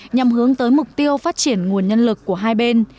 nhằm hướng tới mục tiêu phát triển nguồn nhân lực của hai bên